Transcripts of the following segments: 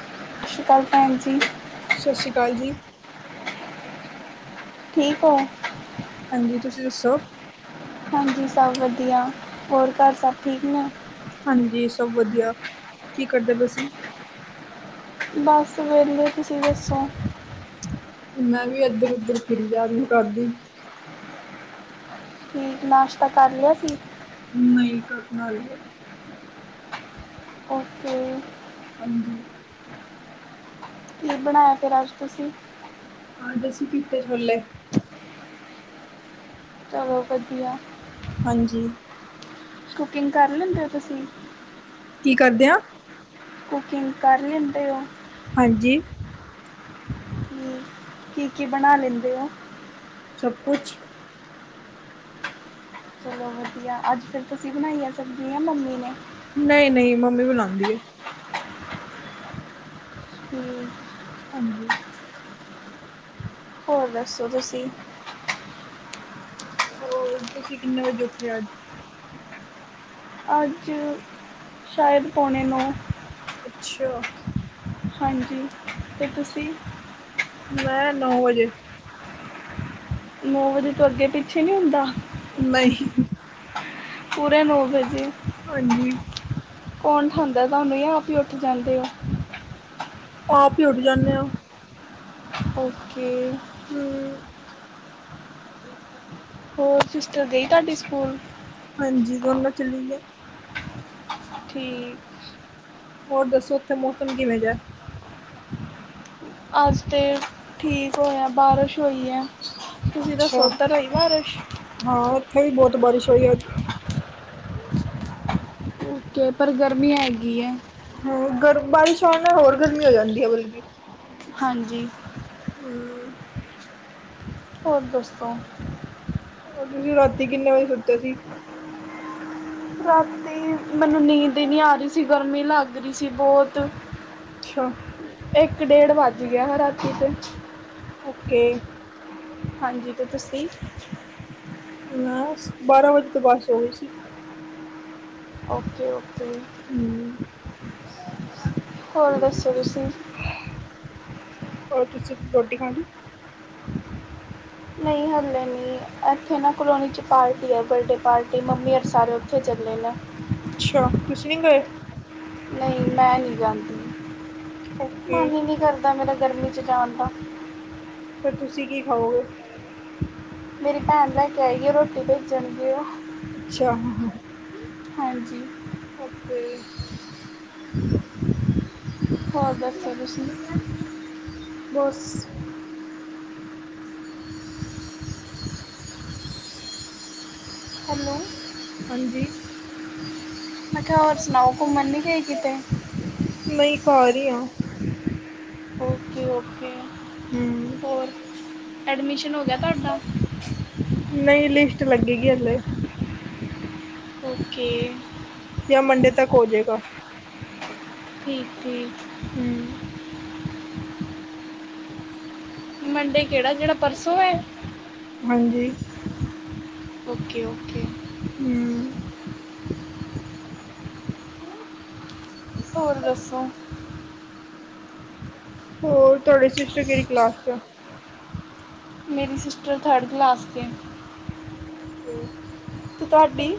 ਸਤ ਸ੍ਰੀ ਅਕਾਲ ਭੈਣ ਜੀ। ਸਤਿ ਸ਼੍ਰੀ ਅਕਾਲ ਜੀ। ਠੀਕ ਔ। ਹਾਂਜੀ, ਤੁਸੀਂ ਦੱਸੋ? ਹਾਂਜੀ, ਸਭ ਵਧੀਆ ਹੋਰ ਘਰ ਸਭ ਠੀਕ ਨੇ। ਹਾਂਜੀ, ਸਭ ਵਧੀਆ ਕੀ ਕਰਦੇ ਪਏ ਸੀਂ? ਬਸ ਵੇਲੇ, ਤੁਸੀਂ ਦੱਸੋ? ਮੈਂ ਵੀ ਇੱਧਰ-ਉੱਧਰ ਫਿਰੀ ਜਾਰੀ ਘਾਰ ਹੀ। ਸਵੇਰ ਨਾਸ਼ਤਾ ਕਰ ਲਿਆ ਸੀ? ਨਹੀਂ, ਕਰਨਾ ਹਜੇ। ਉਕੇੇ। ਹਾਂਜੀ। ਕੀ ਬਣਾਇਆ ਫੇਰ ਅੱਜ ਤੁਸੀਂ? ਅੱਜ ਅਸੀ ਚੀਟੇ ਛੋਲੇ ਚਲੋ ਵਧੀਆ। ਹਾਂਜੀ। ਕੁਕਿੰਗ ਕਰ ਲੈਂਦੇ ਹੋ ਤੁਸੀਂ? ਕੀ ਕਰਦੇ ਹੋ? ਕੁਕਿੰਗ ਕਰ ਲੈਂਦੇ ਹੋ? ਹਾਂਜੀ? ਹਮ, ਕੀ- ਕੀ ਬਣਾ ਲੈਂਦੇ ਹੋ? ਸਭ ਕੁਛ ਚਲੋ ਵਧੀਆ, ਅੱਜ ਫੇਰ ਤੁਸੀਂ ਬਣਾਈ ਆ ਸਬਜ਼ੀ ਯਾ ਮੰਮੀ ਨੇ? ਨਹੀਂ ਨਹੀਂ। ਮੰਮੀ ਬਣਾਉਂਦੀ ਏ। ਹੂੰ। ਹਾਂਜੀ। ਹੋਰ ਦੱਸੋ ਤੁਸੀਂ? ਹੋਰ ਤੁਸੀਂ ਕਿੰਨੇ ਵਜੇ ਉਠੇ ਅੱਜ? ਅੱਜ, ਸ਼ਾਇਦ ਪੌਣੇ ਨੋਂ ਅੱਛਾ। ਹਾਂਜੀ, ਤੇ ਤੁਸੀਂ? ਮੈਂ ਨੌ ਵਜੇ। ਨੌ ਵਜੇ ਤੋਂ ਅੱਗੇ- ਪਿੱਛੇ ਨਹੀਂ ਹੁੰਦਾ? ਨਹੀਂ। ਪੂਰੇ ਨੌ ਵਜੇ। ਹਾਂਜੀ। ਕੌਣ ਉਠਾਂਦਾ ਤੁਹਾਨੂੰ, ਆ ਆਪੀ ਉੱਠ ਜਾਂਦੇ ਔ? ਆਪ ਹੀ ਉਠ ਜਾਂਦੇ ਆ। ਓਕੇ। ਹਮ ਹੋਰ, ਸਿਸਟਰ ਗਈ ਤੁਹਾਡੀ ਸਕੂਲ? ਹਾਂਜੀ, ਦੋਨੋਂ ਚਲੀ ਗਈਆਂ। ਠੀਕ। ਹੋਰ ਦੱਸੋ, ਉੱਥੇ ਮੌਸਮ ਕਿਵੇਂ ਜਾ? ਅੱਜ ਤੇ ਠੀਕ ਹੋਇਆ, ਬਾਰਿਸ਼ ਹੋਈ ਐ। ਤੁਸੀਂ ਦਸੋ, ਅੱਛਾ ਓਧਰ ਹੋਈ ਬਾਰਿਸ਼। ਹਾਂ, ਉੱਥੇ ਵੀ ਬਹੁਤ ਬਾਰਿਸ਼ ਹੋਈ ਐ। ਉੱਥੇ, ਪਰ ਗਰਮੀ ਹੈਗੀ ਹੈ। ਹਾਂ, ਗਰ ਬਾਰਿਸ਼ ਆਉਣ ਨਾਲ ਹੋਰ ਗਰਮੀ ਹੋ ਜਾਂਦੀ ਹੈ, ਬਲਕਿ। ਹਾਂਜੀ। ਹਮ ਹੋਰ ਦਸੋ? ਤੁਸੀਂ ਰਾਤੀ ਕਿੰਨੇ ਵਜੇ ਸੁੱਤੇ ਸੀ? ਰਾਤੀ, ਮੈਨੂੰ ਨੀਂਦ ਹੀ ਨੀ ਆ ਰਹੀ ਸੀ, ਗਰਮੀ ਲੱਗ ਰਹੀ ਸੀ ਬਹੁਤ। ਅੱਛਾ। ਇੱਕ ਡੇਢ ਵੱਜ ਗਿਆ, ਰਾਤੀ ਤੇ। ਓਕੇ। ਹਾਂਜੀ ਤੇ ਤੁਸੀਂ ਮੈਂ, ਬਾਰਾਂ ਵਜੇ ਤੋਂ ਬਾਅਦ ਸੌ ਗਈ ਸੀ। Okay- okay. ਹਮ। ਹੋਰ ਦੱਸੋ ਤੁਸੀਂ? ਹੋਰ ਤੁਸੀਂ ਰੋਟੀ ਖਾਲੀ। ਨਹੀਂ ਹਲੇ ਨੀ, ਇੱਥੇ ਨਾ ਕਲੋਨੀ 'ਚ ਪਾਰਟੀ ਹੈ, ਬਰਡੇ ਪਾਰਟੀ ਮੰਮੀ ਹੋਰੀ ਸਾਰੇ ਤੇ ਚਲੇ ਆ ਅੱਛਾ, ਤੁਸੀਂ ਨੀ ਗਏ। ਨਹੀਂ, ਮੈਂ ਨਹੀਂ ਜਾਂਦੀ ਓਕੇ ਮਨ ਹੀ ਨਹੀਂ ਕਰਦਾ ਮੇਰਾ ਗਰਮੀ ਚ ਜਾਣ ਦਾ। ਫੇਰ ਤੁਸੀਂ ਕੀ ਖਾਓਗੇ? ਮੇਰੀ ਭੈਣ ਲੈ ਕੇ ਆਈਗੀ ਰੋਟੀ, ਬਣੀ ਚੰਗੀ ਹੈ ਉਹ। ਅੱਛਾ, ਹਾਂ-ਹਾਂ। ਹਾਂਜੀ। ਓਕੇ। ਹੋਰ ਦੱਸੋ ਤੁਸੀਂ? ਬਸ ਹੈਲੋ। ਹਾਂਜੀ। ਮੈਂ ਕਿਹਾ, ਹੋਰ ਸੁਣਾਓ ਘੁੰਮਣ ਨੀ ਗਏ ਕਿਤੇ? ਨਈ ਘਰ ਈ ਆ। Okay okay. ਹੂੰ। ਹੋਰ? ਐਡਮਿਸ਼ਨ ਹੋ ਗਿਆ ਤੁਹਾਡਾ? ਨਹੀਂ ਲਿਸਟ ਲੱਗੇਗੀ ਹੱਲੇ। ਓਕੇ। ਜਾਂ ਮੰਡੇ ਤੱਕ ਹੋ ਜਾਏਗਾ। ਠੀਕ-ਠੀਕ। ਹੂੰ। ਮੰਡੇ ਕੇਹੜਾ ਜੇਹੜਾ ਪਰਸੋਂ ਐ। ਹਾਂਜੀ। ਓਕੇ-ਓਕੇ। ਹੂੰ। ਹੋਰ ਦੱਸੋ? ਹੋਰ ਤੁਹਾਡੀ ਸਿਸਟਰ ਕੇੜੀ ਕਲਾਸ ਚ ਐ? ਮੇਰੀ ਸਿਸਟਰ ਥਰਡ ਕਲਾਸ ਤੇ। ਤੇ ਤੇ ਤੁਹਾਡੀ।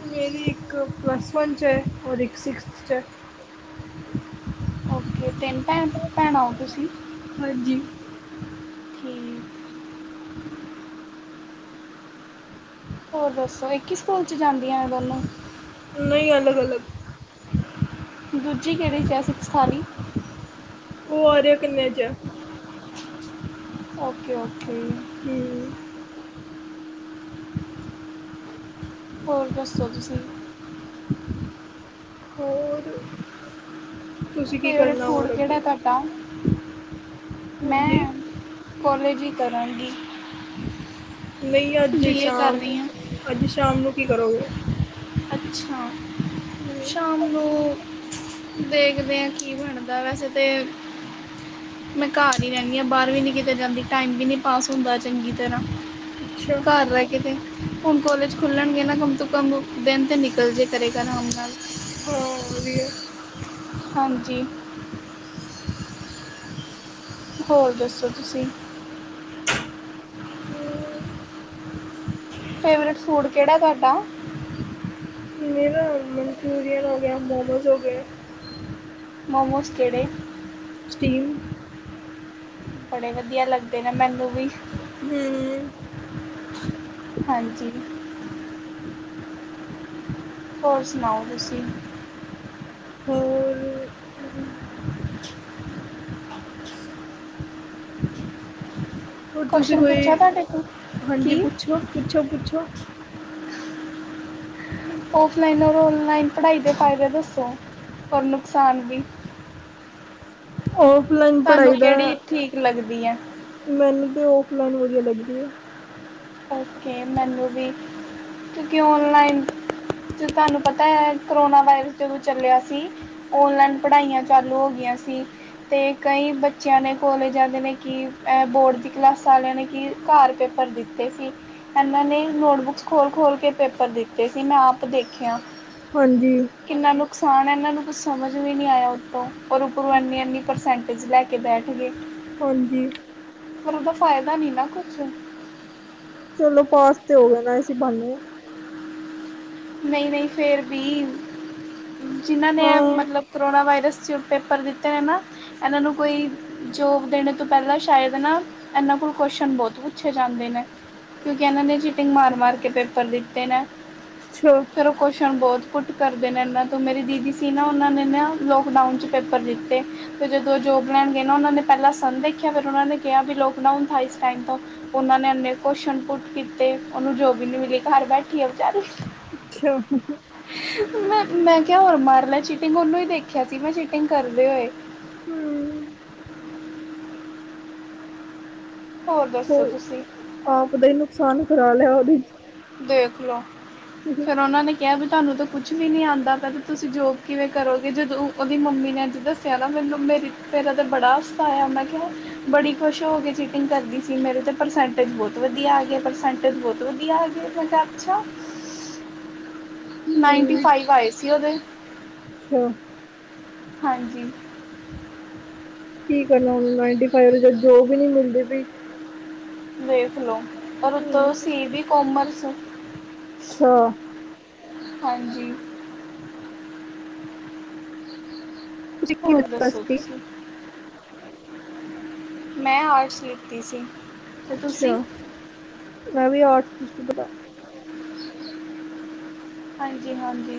ਮੇਰੀ ਇੱਕ ਪਲੱਸ ਵਨ ਚ ਐ ਔਰ ਇੱਕ ਸਿਕਸਥ ਚ ਐ। ਓਕੇ, ਤਿੰਨ ਭੈਣ ਭੈਣਾਂ ਹੋ ਤੁਸੀਂ। ਹਾਂਜੀ। ਠੀਕ। ਹੋਰ ਦੱਸੋ, ਇਕ ਈ ਸਕੂਲ ਚ ਜਾਂਦੀਆਂ ਐ ਦੋਨੋਂ? ਨਹੀਂ, ਅਲੱਗ-ਅਲੱਗ। ਦੂਜੀ ਕੇਹੜੇ ਚੈ ਹੈ ਸਿੱਕਸਥ ਆਲੀ? ਉਹ ਆਰਯਾ ਕੰਨਿਆ ਚ ਹੈ। ਔਕੇ-ਔਕੇ। ਹੂਂ। ਹੋਰ ਦੱਸੋ ਤੁਸੀ? ਹੋਰ? ਤੁਸੀਂ ਕੀ ਫੇਵਰੇਟ ਕਰਨਾ ਫੂਡ ਹੋਰ ਕਿਹੜਾ ਅੱਗੇ ਤੁਹਾਡਾ? ਤਾਂ, ਹਾਂਜੀ ਮੈਂ ਕੋਲੇਜ ਈ ਕਰਾਂਗੀ। ਨਹੀਂ ਅੱਜ ਬੀਏ ਕਰ ਸ਼ਾਮ, ਰਹੀ ਹਾਂ ਅੱਜ ਸ਼ਾਮ ਨੂੰ ਕੀ ਕਰੋਗੇ? ਅੱਛਾ, ਸ਼ਾਮ ਨੂੰ, ਦੇਖਦੇ ਐ ਕੀ ਬਣਦਾ? ਵੈਸੇ ਤੇ ਮੈਂ ਘਰ ਈ ਰਹਿੰਨੀ ਆਂ, ਬਾਰ ਵੀ ਨੀ ਕਿਤੇ ਜਾਂਦੀ, ਟਾਈਮ ਵੀ ਨੀ ਪਾਸ ਹੁੰਦਾ ਚੰਗੀ ਤਰ੍ਹਾਂ। ਅੱਛਾ ਘਰ ਰਹਿ ਕੇ ਤੇ, ਹੁਣ ਕੋਲੇਜ ਖੁੱਲਣਗੇ ਨਾ ਕੰਮ ਤੋਂ ਕਮ ਦੇਨ ਤੇ ਨਿਕਲ ਜੇ ਕਰੇਗਾ ਰਾਮ ਨਾਲ ਹਾਂ ਵਧੀਆ ਹਾਂਜੀ। ਹੋਰ ਦੱਸੋ ਤੁਸੀ? ਹੂੰ। ਫੇਵਰੇਟ ਫੂੜ ਕੇੜਾ ਤੁਹਾਡਾ? ਮੇਰਾ ਮਨਚੁਰੀ ਹੋ ਗੇਆ ਮੋਮੋਜ਼ ਹੋ ਗੇ। ਮੋਮੋਜ਼ ਕੇੜੇ? ਸਿਟੀਮ। ਬੜੇ ਵਦੀਆ ਲੱਗਦੇ ਨੇ ਮੈਨੂੰ ਵੀ। ਹੂੰ। ਹਾਂਜੀ। ਹੋਰ ਸਨਾਓ ਤੁਸੀਂ? ਹੋਰ ਹੋਰ ਤੁਸੀ ਕੁਸ਼ਚਨ ਪੁੱਛਾ ਕੋਈ, ਤੁਹਾਡੇ ਕੋਲ ਹਾਂਜੀ ਕੀ ਪੁੱਛੋ-ਪੁੱਛੋ ਪੁੱਛੋ। ਓਫਲਾਈਨ ਓਰ ਓਨਲਾਈਨ ਪੜਾਈ ਦੇ ਫਾਈਦੇ ਦੱਸੋ, ਓਰ ਨੁਕਸਾਨ ਵੀ? ਓਫਲਾਈਨ ਤੁਹਾਨੂੰ ਕੇੜੀ ਠੀਕ ਲੱਗਦੀ ਏ? ਮੈਨੂੰ ਤੇ ਓਫਲਾਈਨ ਵਦੀਆ ਲੱਗਦੀ ਏ। ਓਕੇ ਮੈਨੂੰ ਵੀ, ਕਿਉਂਕਿ ਓਨਲਾਈਨ ਚ, ਥਾਨੂੰ ਪਤਾ ਐ ਕਰੋਨਾ ਵਾਇਰਸ ਜਦੋਂ ਚੱਲੇਆ ਸੀ। ਓਨਲਾਈਨ ਪੜ੍ਹਾਈਆਂ ਚਾਲੂ ਹੋ ਗੀਆਂ ਸੀ। ਤੇ ਕਈ ਬੱਚੇਆਂ ਨੇ ਕੋਲੇਜ ਆ ਜੀਵੇ ਕਿ, ਐ ਬੋੜ ਦੀ ਕਲਾਸਾਂ ਆਲੇਆਂ ਨੇ ਕਿ ਘਾਰ ਪੇਪਰ ਦਿੱਤੇ ਸ ਏਨਾਂ ਨੇ ਨੋਟਬੁੱਕਸ ਖੋਲ-ਖੋਲ ਕੇ ਪੇਪਰ ਦਿੱਤੇ ਸੀ, ਮੈਂ ਆਪ ਦੇਖੇਆ। ਹਾਂਜੀ। ਕਿੰਨਾ ਨੁਕਸਾਣ ਐ ਐਨਾਂ ਨੂੰ ਕੁਛ ਸਮਜ ਵੀ ਨੀ ਆਏਆ ਉੱਤੋਂ, ਔਰ ਉੱਪਰੋਂ ਐਨੀ-ਐਨੀ ਪਰਸੈਂਟੇਜ ਲੈ ਕੇ ਕੇ ਬੈਠ ਗੇ। ਹਾਂਜੀ। ਪਰ ਓਦਾ ਫਾਏਦਾ ਨੀ ਨਾ ਕੁਛ। ਚਲੋ ਪਾਸ ਤੇ ਹੋ ਗੇ ਨਾ, ਇਸੀ ਬ੍ਹਾਨੇ। ਨਈ-ਨਈ ਫੇਰ ਵੀ, ਜਿਨ੍ਹਾਂ ਨੇ ਹਾਂ ਮਤਲਬ ਕਰੋਣਾ ਵਾਏਰਸ ਚ, ਪੇਪਰ ਦਿੱਤੇ ਨੇ ਨਾ ਐਨਾਂ ਨੂੰ ਕੋਈ ਜੋਬ ਦੇਣੇ ਤੋਂ ਪੈਲਾਂ ਸ਼ਾਏਦ ਨਾ ਐਨਾਂ ਕੋਲੋ਼ ਕੋਸ਼ਨ ਬੋਤ ਪੁੱਛੇ ਜਾਂਦੇ ਨੇ। ਕਿਉਂਕਿ ਐਨਾਂ ਨੇ ਚੀਟਿੰਗ ਮਾਰ-ਮਾਰ ਕੇ ਪੇਪਰ ਦਿੱਤੇ ਨੇ। ਅੱਛਾ। ਫੇਰ ਓ ਕੋਸ਼ਣ ਬੋਤ ਪੁਟ ਕਰਦੇ ਨੇ ਐਨਾਂ ਤੋਂ, ਮੇਰੀ ਦੀਦੀ ਸੀ ਨਾ ਓਨਾਂ ਨੇ ਨਾ ਲੋਕਡਾਊਨ ਚ ਪੇਪਰ ਦਿੱਤੇ ਫੇਰ ਜਦੋਂ ਓ ਜੋਬ ਲੈਣ ਗਏ ਨਾ, ਓਨਾਂ ਨੇ ਪੈਲਾਂ ਸਾੰਨ ਦੇਖੇਆ ਫੇਰ ਓਨਾਂ ਨੇ ਕੈਆ ਵੀ ਲੋਕਡਾਊਨ ਥਾਂ ਈਸ ਟਾਈਮ ਤੋ। ਔਨਾਂ ਨੇ ਐਨੇ ਕੋਸ਼ਨ ਪੁੱਟ ਕੀਤੇ, ਓਨੂ ਜੋਬ ਈ ਨੀ ਮਿਲੀ ਘਾਰ ਬੈਠੀ ਆ ਵਿਚਾਰੀ। ਅੱਛਾ। ਮੈਂ, ਮੈਂ ਕੇਆ ਹੋਰ ਮਾਰ ਲੈ ਚੀਟਿੰਗ ਔਨੂੰ ਈ ਦੇਖੇਆ ਸੀ ਮੈਂ ਚੀਟਿੰਗ ਕਰਦੇ ਹੋਏ। ਹਮ ਹੋਰ ਦੱਸੋ ਤੁਸੀ? ਆਪ ਦਾ ਈ ਨੁਕਸਾਨ ਕਰਾ ਲੇਆ ਓਦੇ ਦੇਖਲੋ, ਫੇਰ ਓਨਾਂ ਨੇ ਕੇਆ ਵੀ ਥਾਨੂੰ ਤਾਂ ਕੁਛ ਵੀ ਨੀ ਆਂਦਾ, ਪਤਾ ਤੁਸੀਂ ਜੋਬ ਕਿਵੇਂ ਕਰੋਗੇ ਜਦੋਂ ਓਦੀ ਮੰਮੀ ਨੇ ਜਦ ਕੈਦਾ ਮੈਨੂੰ ਮੇਰੀ, ਤਾ ਬੜਾ ਹਾਸਾ ਆਏਆ ਮੈਂ ਕੇਆ ਬੜੀ ਖੁਸ਼ ਹੋ ਕੇ ਚੀਟਿੰਗ ਕਰਦੀ ਸੀ ਮੇਰੇ ਤੇ ਪਰਸੈਂਟੇਜ ਬੋਤ ਵਦੀਆ ਆਗੇ, ਪਰਸੈਂਟਜ ਬੋਤ ਵਦੀਆ ਆਗੇ। ਮੈ ਕੇਆ ਆੱਛਾ। ਨਾਈਨਟੀ ਹਮ ਫਾਈਵ ਆਏ ਸੀ ਓਦੇ। ਅੱਛਾ। ਹਾਂਜੀ। ਕੀ ਕਰਨਾ, ਨਾਈਨਟੀ ਫਾਈਵ ਨੂੰ ਜਦ ਜੋਬ ਈ ਨੀ ਮਿਲਦੀ ਪਈ। ਵੇਖ ਲੋ, ਪਰ ਉਥੋਂ ਹਮ ਸੀ ਬੀ ਕੋਮਰਸ। ਅੱਛਾ। ਹਾਂਜੀ। ਤੁਸੀਂ ਕੀ ਹੋਰ ਲਿੱਤਾ ਦੱਸੋ ਸੀ ਤੁਸੀ? ਮੈਂ, ਆਰਟਸ ਲਿਤੀ ਸੀ। ਤੇ ਤੁਸੀਂ? ਅੱਛਾ, ਮੈਂ ਵੀ ਆਟਸ ਦੀ ਸਟੂਡੇੈਂਟਸ ਹਾਂ ਹਾਂਜੀ, ਹਾਂਜੀ,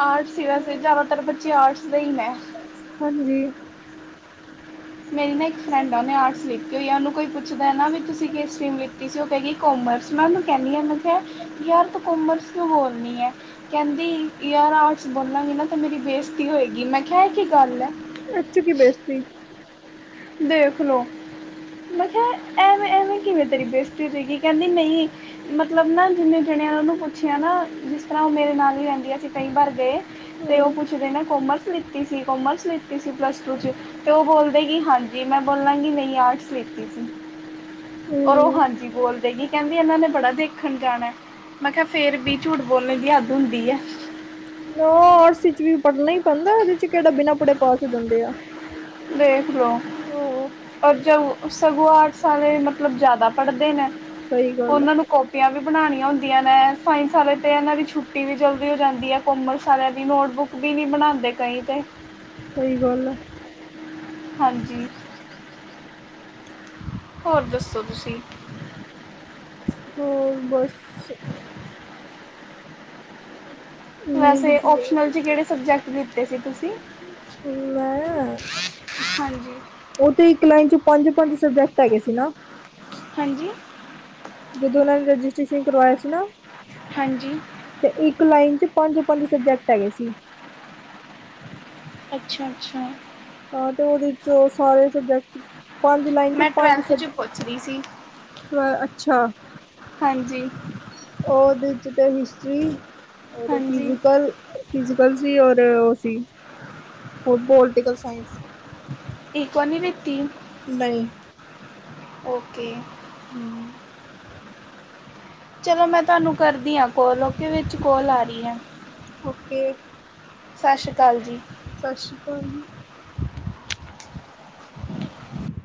ਆਰਟਸ ਸੀ ਵੈਸੇ, ਜ਼ਿਆਦਾਤਰ ਬੱਚੇ ਆਰਟਸ ਦੇ ਹੀ ਨੇ। ਹਾਂਜੀ। ਮੇਰੀ ਨਾ ਇੱਕ ਫਰੈਂਡ, ਉਹਨੇ ਆਰਟਸ ਲਿਤੀ ਹੋਈ ਆ, ਉਹਨੂੰ ਕੋਈ ਪੁੱਛਦਾ ਹੈ ਨਾ ਵੀ ਤੁਸੀਂ ਕਿਸ ਸਟਰੀਮ ਲਿਤੀ ਸੀ, ਉਹ ਕਹੇਗੀ। ਕੋਮਰਸ, ਮੈਂ ਉਹਨੂੰ ਕਹਿੰਦੀ ਹਾਂ ਮੈਂ ਕਿਹਾ, ਯਾਰ ਤੂੰ ਕੋਮਰਸ ਕਿਉਂ ਬੋਲਣੀ ਹੈ। ਕਹਿੰਦੀ, ਯਾਰ ਆਰਟਸ ਬੋਲਾਂਗੀ ਨਾ, ਤੇ ਮੇਰੀ ਬੇਇਜ਼ਤੀ ਹੋਏਗੀ। ਮੈਂ ਕਿਹਾ, ਇਹ ਕੀ ਗੱਲ ਏ? ਐਚ, ਕੀ ਬੇਇਜ਼ਤੀ? ਦੇਖ ਲਓ! ਮੈਂ ਕਿਹਾ, ਐਵੇਂ-ਐਵੇਂ ਕਿਵੇਂ ਤੇਰੀ ਬੇਇਜ਼ਤੀ ਹੋ ਜਾਏਗੀ? ਕਹਿੰਦੀ ਨਹੀਂ ਮਤਲਬ ਨਾ, ਜਿੰਨੇ ਜਾਣਿਆਂ ਉਹਨੂੰ ਪੁੱਛਿਆ ਨਾ, ਜਿਸ ਤਰ੍ਹਾਂ ਉਹ ਮੇਰੇ ਨਾਲ ਹੀ ਰਹਿੰਦੀ, ਅਸੀਂ ਕਈ ਵਾਰ ਗਏ ਤੇ ਉਹ ਹਮ ਪੁੱਛਦੇ ਨੇ ਕੋਮਰਸ ਲਿੱਤੀ ਸੀ, ਕੋਮਰਸ ਲਿੱਤੀ ਸੀ ਪਲੱਸ ਟੂ 'ਚ, ਤੇ ਉਹ ਬੋਲਦੇ ਕਿ ਹਾਂਜੀ। ਜੀ ਮੈਂ ਬੋਲਾਂਗੀ, ਨਹੀਂ ਆਰਟਸ ਲਿਤੀ ਸੀ। ਔਰ ਉਹ, ਹੂੰ, ਹਾਂ ਜੀ ਬੋਲਦੇਗੀ, ਕਹਿੰਦੀ ਇਹਨਾਂ ਨੇ ਬੜਾ ਦੇਖਣ ਜਾਣਾ। ਮੈਂ ਕਿਹਾ, ਫੇਰ ਵੀ, ਝੂਠ ਬੋਲਣ ਦੀ ਹੱਦ ਹੁੰਦੀ ਆ। ਉਹ ਆਰਟਸ ਵਿਚ ਵੀ ਪੜ੍ਹਨਾ ਹੀ ਪੈਂਦਾ, ਉਹਦੇ 'ਚ ਕਿਹੜਾ ਬਿਨਾ ਪੜ੍ਹੇ ਪਾਸ ਹੋ ਜਾਂਦੇ ਆ। ਵੇਖ ਲੋ। ਆਹੋ ਪਰ ਜੋਂ ਸਗੋਂ ਆਰਟਸ ਵਾਲੇ, ਮਤਲਬ ਜ਼ਿਆਦਾ ਪੜ੍ਹਦੇ ਨੇ, ਸਹੀ ਗੱਲ ਆ, ਉਹਨਾਂ ਨੂੰ ਕੋਪੀਆਂ ਵੀ ਬਣਾਉਣੀਆਂ ਹੁੰਦੀਆਂ ਨੇ, ਸਾਇੰਸ ਆਲੇ ਤੇ, ਇਹਨਾਂ ਦੀ ਛੁੱਟੀ ਵੀ ਜਲਦੀ ਹੋ ਜਾਂਦੀ ਏ, ਕੋਮਰਸ ਵਾਲਿਆਂ ਦੀ ਨੋਟਬੁੱਕ ਵੀ ਨੀ ਬਣਾਉਂਦੇ ਕਈ ਤੇ ਸਹੀ ਗੱਲ ਆ। ਹਾਂਜੀ। ਹੋਰ, ਦੱਸੋ ਤੁਸੀਂ? ਹੋਰ ਬਸ ਨੀਂਦ ਵੈਸੇ, ਜੀ ਆ ਓਪਸ਼ਨਲ 'ਚ ਕਿਹੜੇ ਸਬਜੈਕਟ ਲਿੱਤੇ ਸੀ, ਤੁਸੀਂ? ਮੈਂ ਹਾਂਜੀ। ਉਹ ਤੇ ਇੱਕ ਲਾਈਨ 'ਚ ਪੰਜ, ਪੰਜ ਸਬਜੈਕਟ ਹੈਗੇ ਸੀ ਨਾ। ਹਾਂਜੀ? ਜਦੋਂ ਉਹਨਾ ਨੇ ਰਜਿਸਟ੍ਰੇਸ਼ਨ ਕਰਵਾਇਆ ਸੀ ਨਾ। ਹਾਂਜੀ। ਤੇ ਇੱਕ ਲਾਈਨ 'ਚ ਪੰਜ-ਪੰਜ ਸਬਜੈਕਟ ਹੈਗੇ ਸੀ। ਅੱਛਾ! ਅੱਛਾ! ਆ, ਤੇ ਉਹਦੇ ਵਿੱਚੋ ਸਾਰੇ ਸਬਜੈਕਟ ਪੰਜ ਲਾਈਨ 'ਚ ਮੈਂ ਪੰਜ ਟਵੈਲਥ ਸਬ, 'ਚ ਪੁੱਛ ਰਹੀ ਸੀ ਅੱਛਾ? ਹਾਂਜੀ। ਉਹਦੇ 'ਚ ਤਾਂ ਹਿਸਟਰੀ ਓਰ ਹਾਂਜੀ ਫਿਜ਼ੀਕਲ, ਫਿਜ਼ੀਕਲ ਸੀ ਓਰ ਉਹ ਸੀ। ਹੋਰ ਪੋਲੀਟੀਕਲ ਸਾਇੰਸ। ਇੱਕ ਵ ਨਹੀਂ ਲਿੱਤੀ। ਨਹੀਂ। ਓਕੇ। ਹੂੰ ਚਲੋ, ਮੈਂ ਤੁਹਾਨੂੰ ਕਰਦੀ ਆ ਕੋਲ, ਓਕੇ, ਵਿੱਚ ਕੋਲ ਆ ਰਹੀ ਏ। ਓਕੇ, ਸ਼੍ਰੀ ਅਕਾਲ ਜੀ ਸਤਿ ਸ੍ਰੀ ਅਕਾਲ ਜੀ। [inaudible]